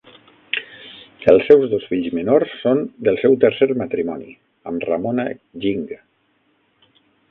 Els seus dos fills menors són del seu tercer matrimoni, amb Ramona Ging.